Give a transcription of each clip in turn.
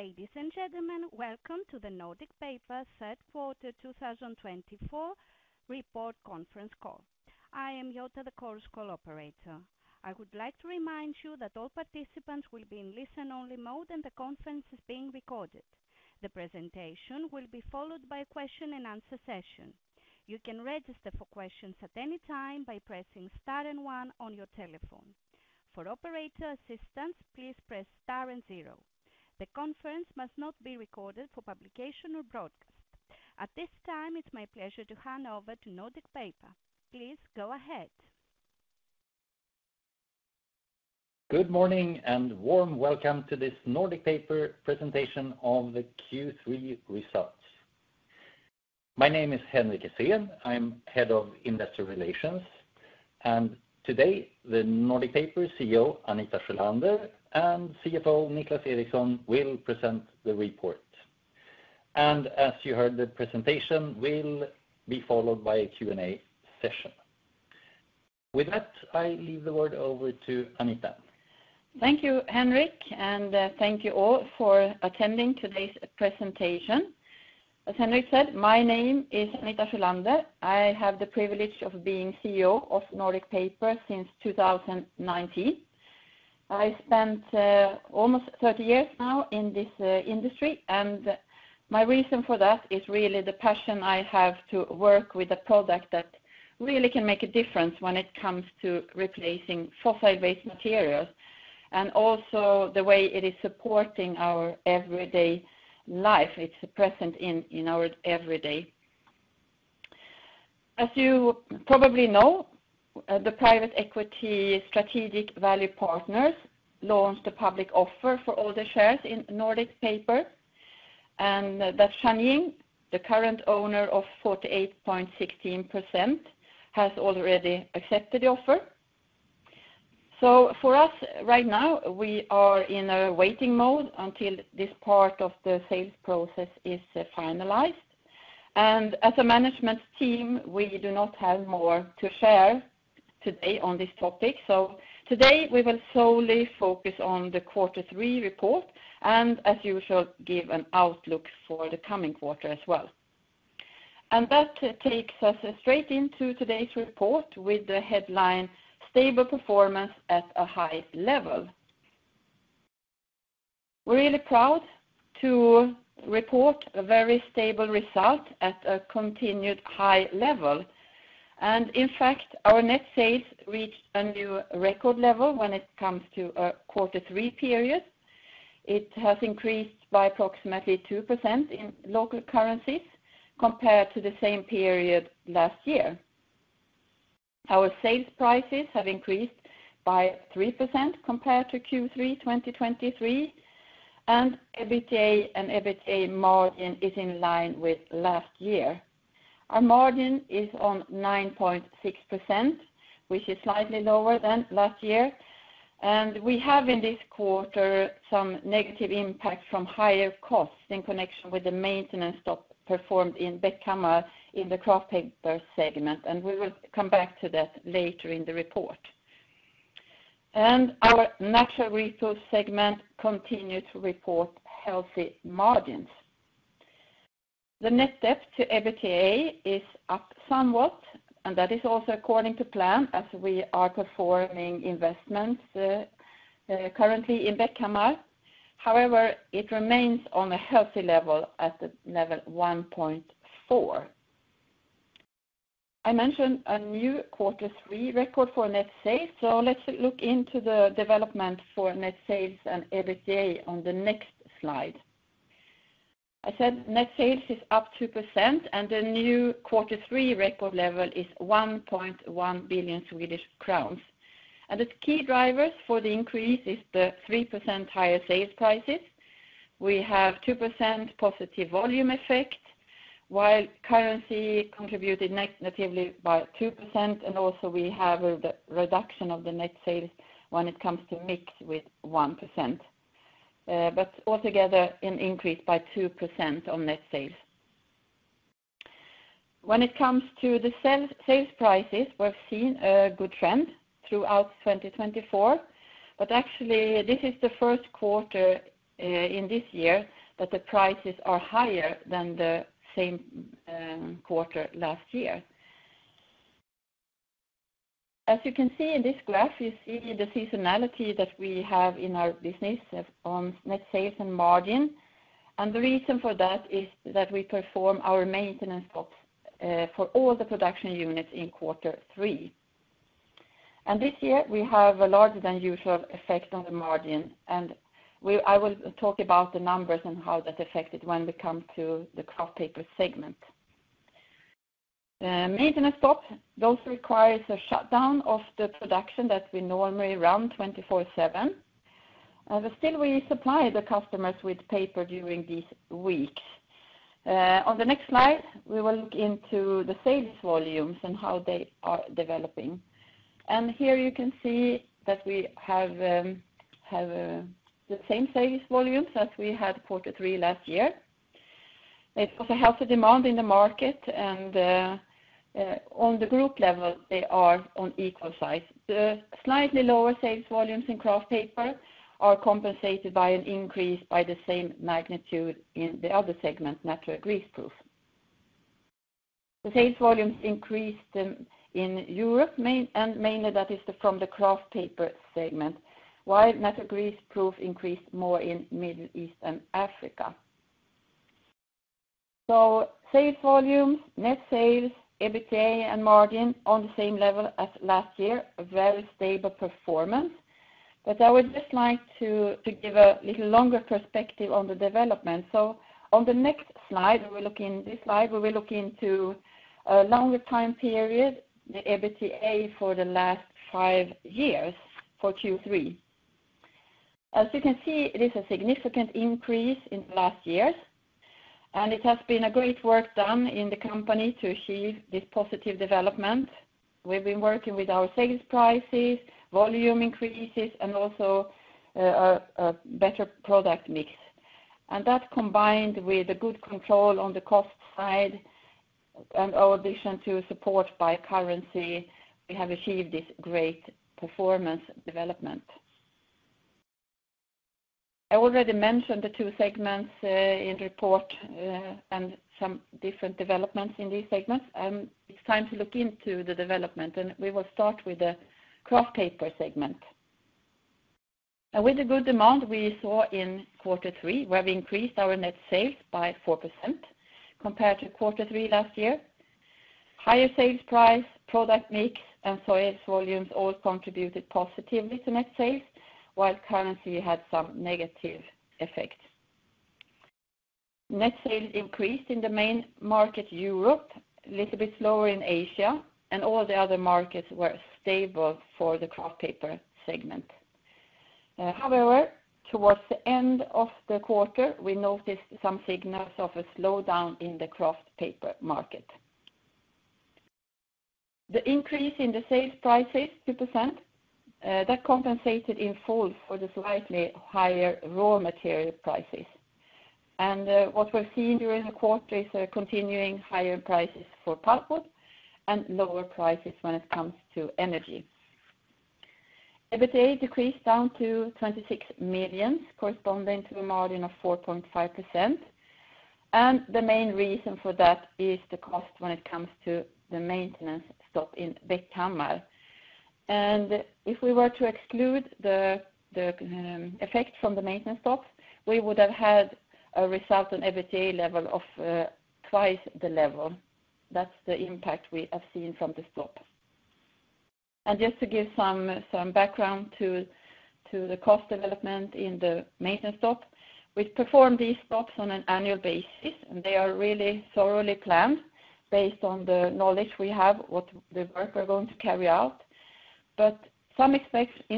Ladies and gentlemen, welcome to the Nordic Paper Third Quarter 2024 Report Conference Call. I am Yota, the Chorus Call operator. I would like to remind you that all participants will be in listen-only mode and the conference is being recorded. The presentation will be followed by a question-and-answer session. You can register for questions at any time by pressing star and one on your telephone. For operator assistance, please press star and zero. The conference must not be recorded for publication or broadcast. At this time, it's my pleasure to hand over to Nordic Paper. Please go ahead. Good morning and warm welcome to this Nordic Paper Presentation on the Q3 Results. My name is Henrik Essén. I'm Head of Investor Relations. And today, the Nordic Paper CEO, Anita Sjölander, and CFO, Niclas Eriksson, will present the report. And as you heard, the presentation will be followed by a Q&A session. With that, I leave the word over to Anita. Thank you, Henrik, and thank you all for attending today's presentation. As Henrik said, my name is Anita Sjölander. I have the privilege of being CEO of Nordic Paper since 2019. I spent almost 30 years now in this industry, and my reason for that is really the passion I have to work with a product that really can make a difference when it comes to replacing fossil-based materials and also the way it is supporting our everyday life. It's present in our everyday. As you probably know, the private equity Strategic Value Partners launched a public offer for all the shares in Nordic Paper, and that Shanying, the current owner of 48.16%, has already accepted the offer. So for us right now, we are in a waiting mode until this part of the sales process is finalized. As a management team, we do not have more to share today on this topic. So today, we will solely focus on the quarter three report and, as usual, give an outlook for the coming quarter as well. That takes us straight into today's report with the headline, "Stable performance at a high level." We're really proud to report a very stable result at a continued high level. In fact, our net sales reached a new record level when it comes to a quarter three period. It has increased by approximately 2% in local currencies compared to the same period last year. Our sales prices have increased by 3% compared to Q3 2023, and EBITDA and EBITA margin is in line with last year. Our margin is on 9.6%, which is slightly lower than last year. We have in this quarter some negative impact from higher costs in connection with the maintenance stop performed in Bäckhammar in the Kraft paper segment, and we will come back to that later in the report. Our natural greaseproof paper segment continues to report healthy margins. The net debt to EBITDA is up somewhat, and that is also according to plan as we are performing investments currently in Bäckhammar. However, it remains on a healthy level at the level 1.4. I mentioned a new quarter three record for net sales, so let's look into the development for net sales and EBITDA on the next slide. I said net sales is up 2%, and the new quarter three record level is 1.1 billion Swedish crowns. The key drivers for the increase are the 3% higher sales prices. We have 2% positive volume effect, while currency contributed negatively by 2%, and also we have a reduction of the net sales when it comes to mix with 1%. But altogether, an increase by 2% on net sales. When it comes to the sales prices, we've seen a good trend throughout 2024, but actually, this is the first quarter in this year that the prices are higher than the same quarter last year. As you can see in this graph, you see the seasonality that we have in our business on net sales and margin. And the reason for that is that we perform our maintenance stops for all the production units in quarter three. And this year, we have a larger than usual effect on the margin, and I will talk about the numbers and how that affected when we come to the Kraft paper segment. Maintenance stop, those require a shutdown of the production that we normally run 24/7. But still, we supply the customers with paper during these weeks. On the next slide, we will look into the sales volumes and how they are developing. And here you can see that we have the same sales volumes as we had quarter three last year. It also helps the demand in the market, and on the group level, they are on equal size. The slightly lower sales volumes in Kraft paper are compensated by an increase by the same magnitude in the other segment, natural greaseproof. The sales volumes increased in Europe, and mainly that is from the Kraft paper segment, while natural greaseproof increased more in the Middle East and Africa. So sales volumes, net sales, EBITDA, and margin on the same level as last year, very stable performance. I would just like to give a little longer perspective on the development. On the next slide, we will look in this slide, we will look into a longer time period, the EBITDA for the last five years for Q3. As you can see, it is a significant increase in the last years, and it has been a great work done in the company to achieve this positive development. We've been working with our sales prices, volume increases, and also a better product mix. That combined with a good control on the cost side and our addition to support by currency, we have achieved this great performance development. I already mentioned the two segments in the report and some different developments in these segments, and it's time to look into the development, and we will start with the Kraft paper segment. With the good demand we saw in quarter three, where we increased our net sales by 4% compared to quarter three last year, higher sales price, product mix, and sales volumes all contributed positively to net sales, while currency had some negative effects. Net sales increased in the main market, Europe, a little bit slower in Asia, and all the other markets were stable for the Kraft paper segment. However, towards the end of the quarter, we noticed some signals of a slowdown in the Kraft paper market. The increase in the sales prices, 2%, that compensated in full for the slightly higher raw material prices. And what we've seen during the quarter is a continuing higher prices for pulpwood and lower prices when it comes to energy. EBITDA decreased down to 26 million, corresponding to a margin of 4.5%. The main reason for that is the cost when it comes to the maintenance stop in Bäckhammar. If we were to exclude the effect from the maintenance stop, we would have had a result on EBITDA level of twice the level. That's the impact we have seen from the stop. Just to give some background to the cost development in the maintenance stop, we perform these stops on an annual basis, and they are really thoroughly planned based on the knowledge we have, what the work we're going to carry out. Some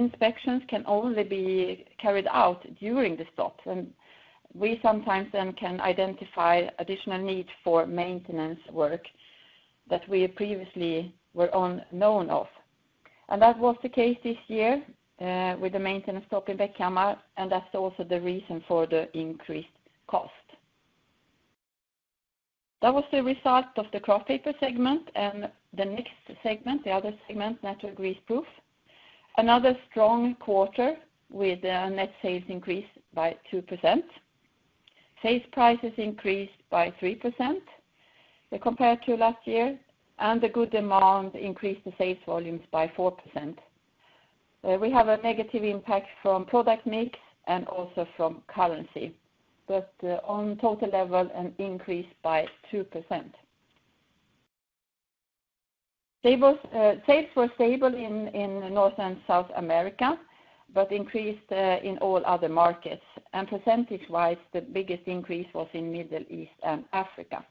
inspections can only be carried out during the stop, and we sometimes then can identify additional need for maintenance work that we previously were unknown of. That was the case this year with the maintenance stop in Bäckhammar, and that's also the reason for the increased cost. That was the result of the Kraft paper segment and the next segment, the other segment, natural greaseproof. Another strong quarter with net sales increased by 2%. Sales prices increased by 3% compared to last year, and the good demand increased the sales volumes by 4%. We have a negative impact from product mix and also from currency, but on total level, an increase by 2%. Sales were stable in North and South America, but increased in all other markets, and percentage-wise, the biggest increase was in the Middle East and Africa.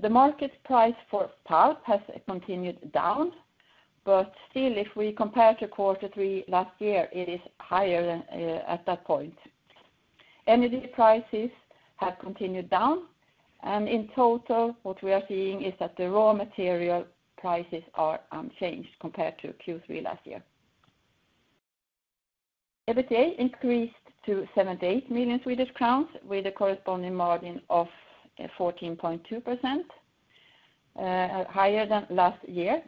The market price for pulp has continued down, but still, if we compare to quarter three last year, it is higher at that point. Energy prices have continued down, and in total, what we are seeing is that the raw material prices are unchanged compared to Q3 last year. EBITDA increased to 78 million Swedish crowns with a corresponding margin of 14.2%, higher than last year.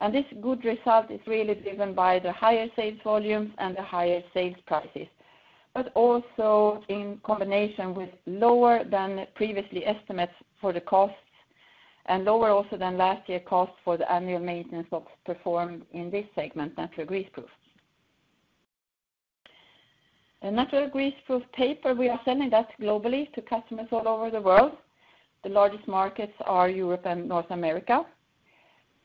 And this good result is really driven by the higher sales volumes and the higher sales prices, but also in combination with lower than previously estimates for the costs and lower also than last year costs for the annual maintenance stops performed in this segment, natural greaseproof. Natural greaseproof paper, we are selling that globally to customers all over the world. The largest markets are Europe and North America.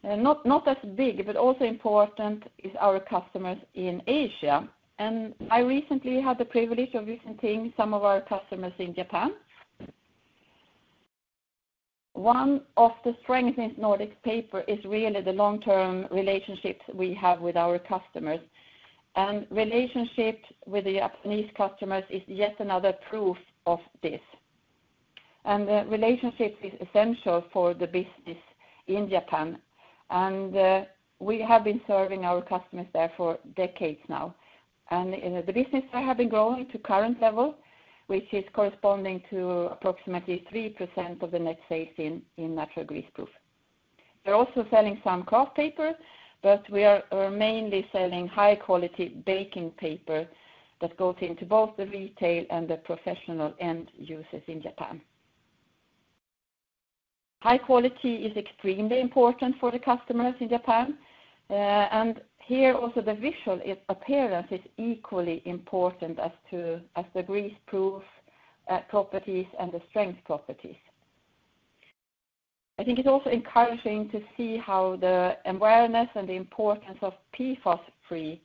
Not as big, but also important is our customers in Asia. And I recently had the privilege of visiting some of our customers in Japan. One of the strengths in Nordic Paper is really the long-term relationships we have with our customers. And relationships with the Japanese customers is yet another proof of this. The relationship is essential for the business in Japan. We have been serving our customers there for decades now. The business there has been growing to current level, which is corresponding to approximately 3% of the net sales in natural greaseproof. We're also selling some Kraft paper, but we are mainly selling high-quality baking paper that goes into both the retail and the professional end uses in Japan. High quality is extremely important for the customers in Japan. Here also, the visual appearance is equally important as the greaseproof properties and the strength properties. I think it's also encouraging to see how the awareness and the importance of PFAS-free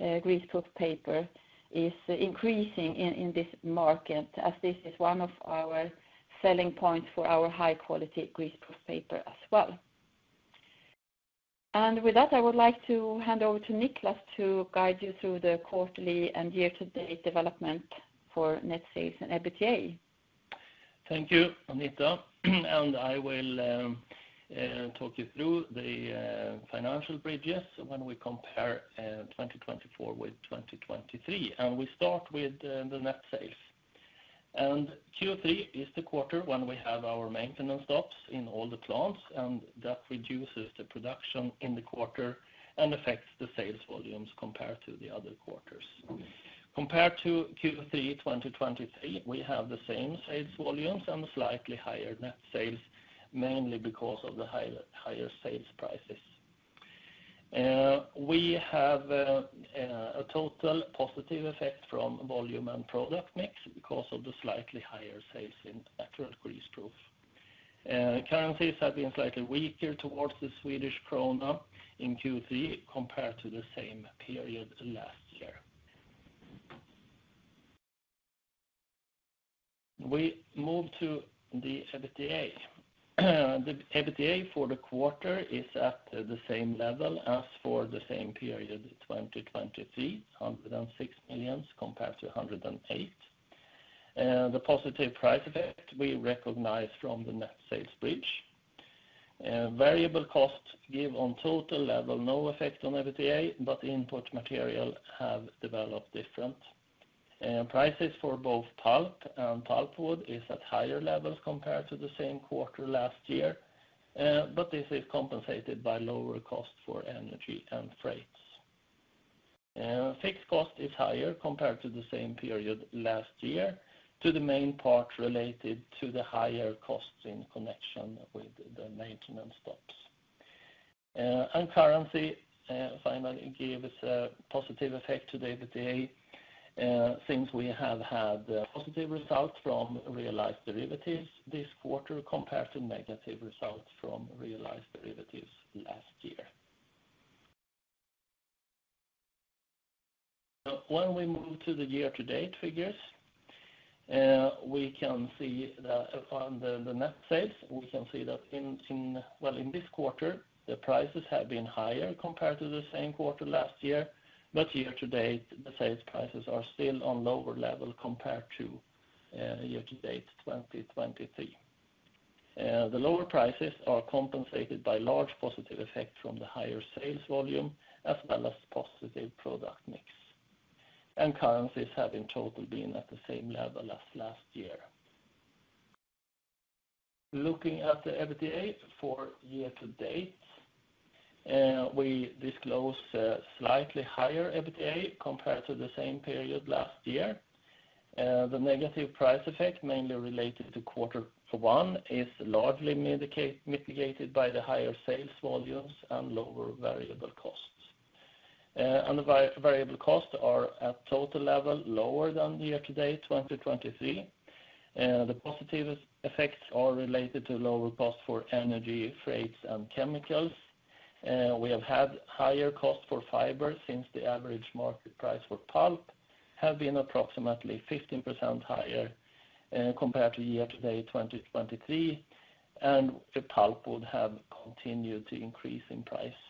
greaseproof paper is increasing in this market, as this is one of our selling points for our high-quality greaseproof paper as well. With that, I would like to hand over to Niclas to guide you through the quarterly and year-to-date development for net sales and EBITDA. Thank you, Anita. I will talk you through the financial bridges when we compare 2024 with 2023. We start with the net sales. Q3 is the quarter when we have our maintenance stops in all the plants, and that reduces the production in the quarter and affects the sales volumes compared to the other quarters. Compared to Q3 2023, we have the same sales volumes and slightly higher net sales, mainly because of the higher sales prices. We have a total positive effect from volume and product mix because of the slightly higher sales in natural greaseproof. Currencies have been slightly weaker towards the Swedish krona in Q3 compared to the same period last year. We move to the EBITDA. The EBITDA for the quarter is at the same level as for the same period, 2023, 106 million compared to 108. The positive price effect we recognize from the net sales bridge. Variable costs give on total level no effect on EBITDA, but input material have developed different. Prices for both pulp and pulpwood are at higher levels compared to the same quarter last year, but this is compensated by lower cost for energy and freights. Fixed cost is higher compared to the same period last year to the main part related to the higher costs in connection with the maintenance stops, and currency finally gives a positive effect to the EBITDA since we have had positive results from realized derivatives this quarter compared to negative results from realized derivatives last year. When we move to the year-to-date figures, we can see that on the net sales, well, in this quarter, the prices have been higher compared to the same quarter last year, but year-to-date, the sales prices are still on lower level compared to year-to-date 2023. The lower prices are compensated by large positive effect from the higher sales volume as well as positive product mix, and currencies have in total been at the same level as last year. Looking at the EBITDA for year-to-date, we disclose a slightly higher EBITDA compared to the same period last year. The negative price effect, mainly related to quarter one, is largely mitigated by the higher sales volumes and lower variable costs, and the variable costs are at total level lower than year-to-date 2023. The positive effects are related to lower costs for energy, freights, and chemicals. We have had higher costs for fiber since the average market price for pulp has been approximately 15% higher compared to year-to-date 2023, and pulpwood has continued to increase in price.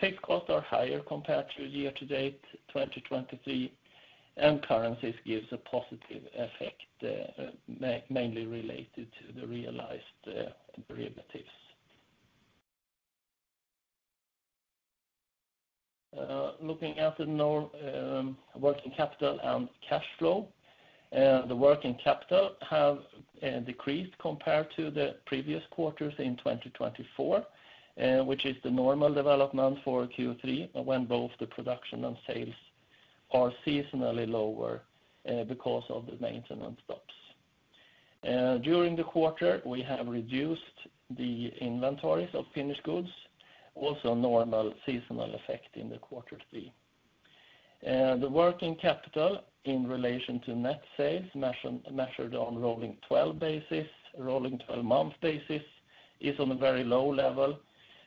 Fixed costs are higher compared to year-to-date 2023, and currencies give a positive effect, mainly related to the realized derivatives. Looking at the working capital and cash flow, the working capital has decreased compared to the previous quarters in 2024, which is the normal development for Q3 when both the production and sales are seasonally lower because of the maintenance stops. During the quarter, we have reduced the inventories of finished goods, also a normal seasonal effect in the quarter three. The working capital in relation to net sales measured on rolling 12 basis, rolling 12 month basis, is on a very low level,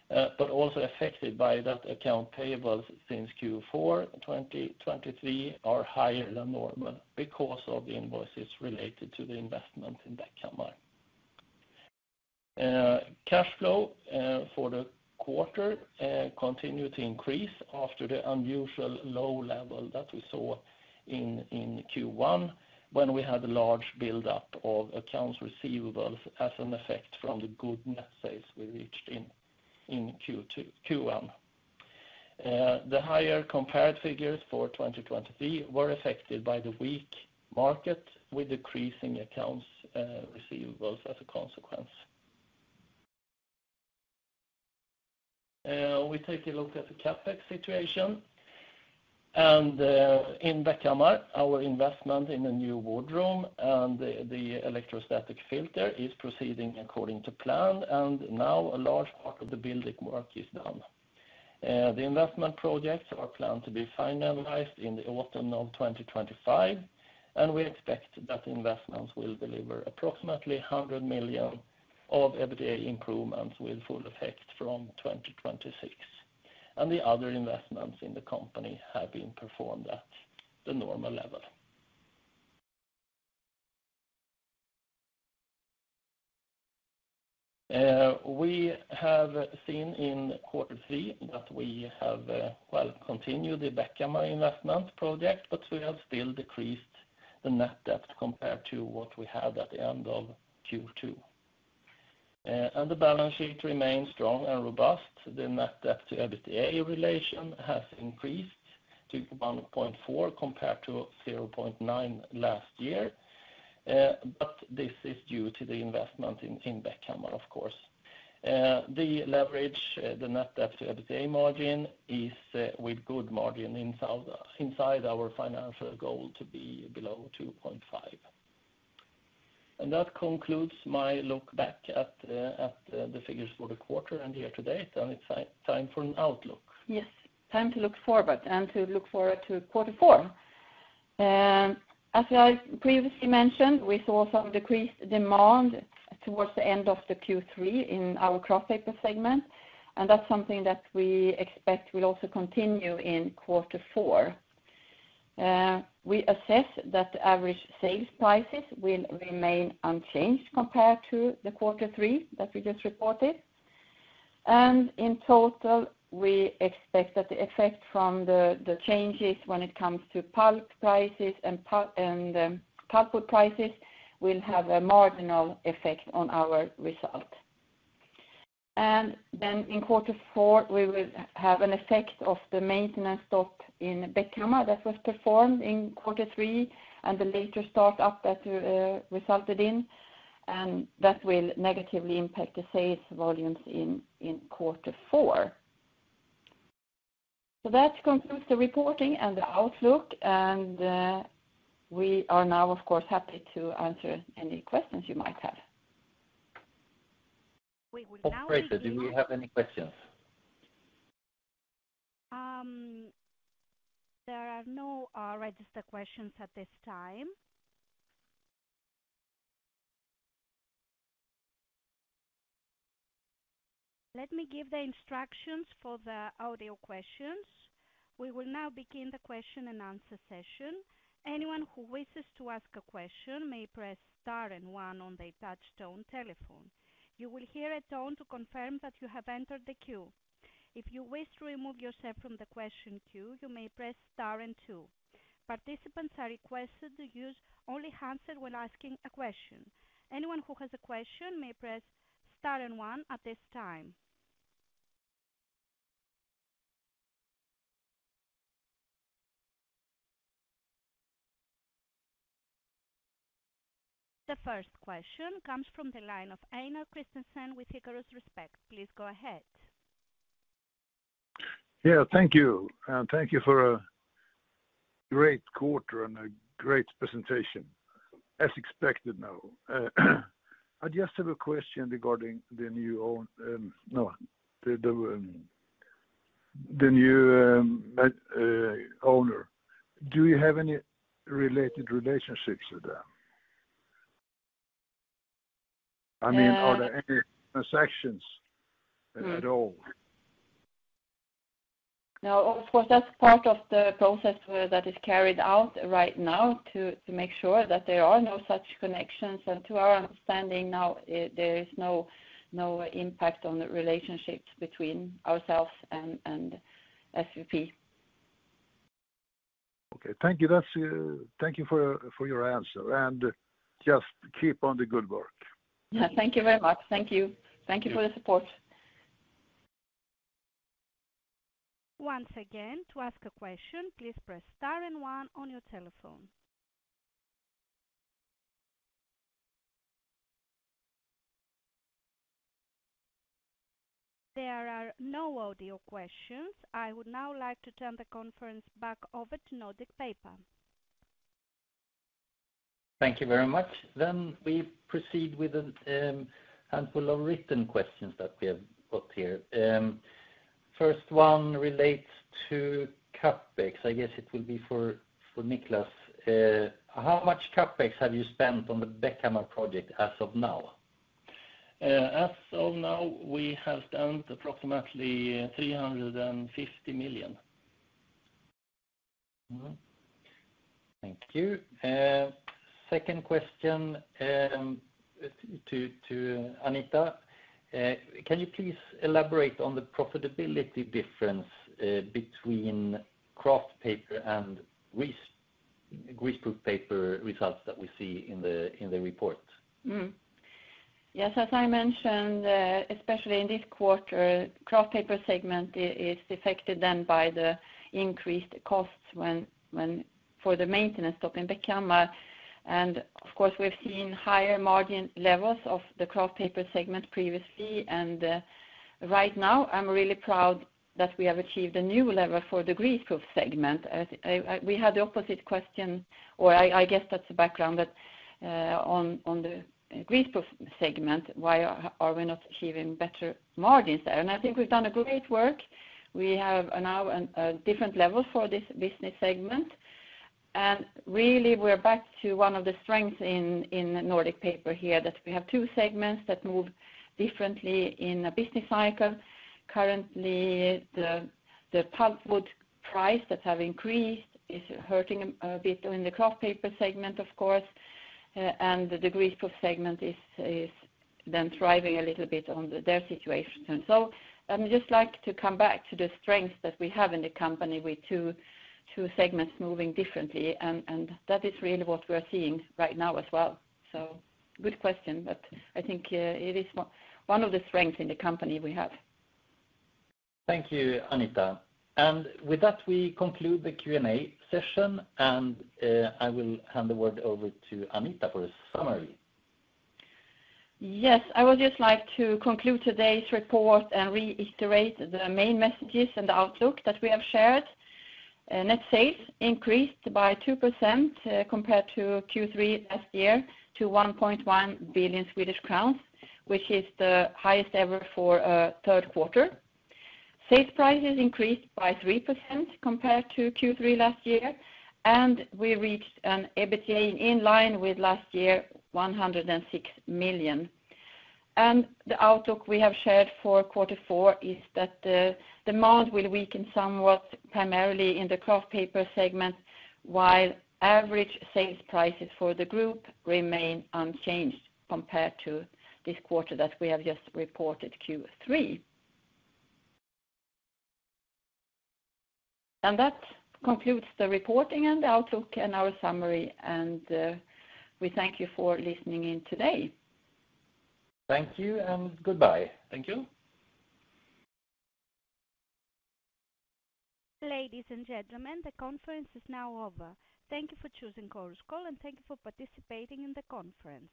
but also affected by that accounts payable since Q4 2023 are higher than normal because of the invoices related to the investment in Bäckhammar. Cash flow for the quarter continued to increase after the unusual low level that we saw in Q1 when we had a large build-up of accounts receivable as an effect from the good net sales we reached in Q1. The higher compared figures for 2023 were affected by the weak market with decreasing accounts receivable as a consequence. We take a look at the CapEx situation, and in Bäckhammar, our investment in a new wood room and the electrostatic filter is proceeding according to plan, and now a large part of the building work is done. The investment projects are planned to be finalized in the autumn of 2025, and we expect that investments will deliver approximately 100 million of EBITDA improvements with full effect from 2026, and the other investments in the company have been performed at the normal level. We have seen in quarter three that we have, well, continued the Bäckhammar investment project, but we have still decreased the net debt compared to what we had at the end of Q2, and the balance sheet remains strong and robust. The net debt to EBITDA relation has increased to 1.4 compared to 0.9 last year, but this is due to the investment in Bäckhammar, of course. The leverage, the net debt to EBITDA margin is with good margin inside our financial goal to be below 2.5. And that concludes my look back at the figures for the quarter and year-to-date, and it's time for an outlook. Yes, time to look forward and to look forward to quarter four. As I previously mentioned, we saw some decreased demand towards the end of the Q3 in our Kraft paper segment, and that's something that we expect will also continue in quarter four. We assess that average sales prices will remain unchanged compared to the quarter three that we just reported. And in total, we expect that the effect from the changes when it comes to pulp prices and pulpwood prices will have a marginal effect on our result. And then in quarter four, we will have an effect of the maintenance stop in Bäckhammar that was performed in quarter three and the later start-up that resulted in, and that will negatively impact the sales volumes in quarter four. So that concludes the reporting and the outlook, and we are now, of course, happy to answer any questions you might have. We will now. Operator, do we have any questions? There are no registered questions at this time. Let me give the instructions for the audio questions. We will now begin the question and answer session. Anyone who wishes to ask a question may press star and one on the touch-tone telephone. You will hear a tone to confirm that you have entered the queue. If you wish to remove yourself from the question queue, you may press star and two. Participants are requested to use only handset when asking a question. Anyone who has a question may press star and one at this time. The first question comes from the line of Emil Christiansen with DNB Markets. Please go ahead. Yeah, thank you. Thank you for a great quarter and a great presentation. As expected. I just have a question regarding the new owner, the new owner. Do you have any related relationships with them? I mean, are there any transactions at all? No, of course, that's part of the process that is carried out right now to make sure that there are no such connections. And to our understanding now, there is no impact on the relationships between ourselves and SVP. Okay, thank you. Thank you for your answer. And just keep on the good work. Yeah, thank you very much. Thank you. Thank you for the support. Once again, to ask a question, please press star and one on your telephone. There are no audio questions. I would now like to turn the conference back over to Nordic Paper. Thank you very much. Then we proceed with a handful of written questions that we have got here. First one relates to CapEx. I guess it will be for Niclas. How much CapEx have you spent on the Bäckhammar project as of now? As of now, we have spent approximately 350 million. Thank you. Second question to Anita. Can you please elaborate on the profitability difference between Kraft paper and greaseproof paper results that we see in the report? Yes, as I mentioned, especially in this quarter, Kraft paper segment is affected then by the increased costs for the maintenance stop in Bäckhammar. And of course, we've seen higher margin levels of the Kraft paper segment previously. And right now, I'm really proud that we have achieved a new level for the greaseproof segment. We had the opposite question, or I guess that's the background, that on the greaseproof segment, why are we not achieving better margins there? And I think we've done a great work. We have now a different level for this business segment. And really, we're back to one of the strengths in Nordic Paper here that we have two segments that move differently in a business cycle. Currently, the pulpwood price that has increased is hurting a bit in the Kraft paper segment, of course, and the greaseproof segment is then thriving a little bit on their situation. So I'd just like to come back to the strengths that we have in the company with two segments moving differently, and that is really what we're seeing right now as well. So good question, but I think it is one of the strengths in the company we have. Thank you, Anita. And with that, we conclude the Q&A session, and I will hand the word over to Anita for a summary. Yes, I would just like to conclude today's report and reiterate the main messages and the outlook that we have shared. Net sales increased by 2% compared to Q3 last year to 1.1 billion Swedish crowns, which is the highest ever for a third quarter. Sales prices increased by 3% compared to Q3 last year, and we reached an EBITDA in line with last year, 106 million. And the outlook we have shared for quarter four is that the demand will weaken somewhat, primarily in the Kraft paper segment, while average sales prices for the group remain unchanged compared to this quarter that we have just reported, Q3. And that concludes the reporting and the outlook and our summary, and we thank you for listening in today. Thank you and goodbye. Thank you. Ladies and gentlemen, the conference is now over. Thank you for choosing Chorus Call, and thank you for participating in the conference.